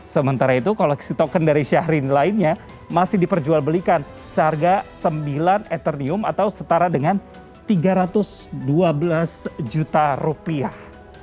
sementara itu koleksi token dari syahrini lainnya masih diperjualbelikan seharga sembilan etherium atau setara dengan tiga ratus dua belas juta rupiah